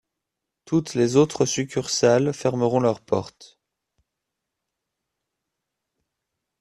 Toutes les autres succursales fermeront leurs portes.